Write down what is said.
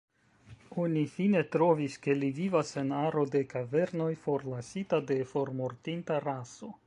Oni fine trovis ke li vivas en aro de kavernoj, forlasita de formortinta raso.